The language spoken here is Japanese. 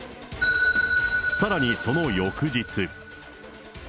さらにその翌日。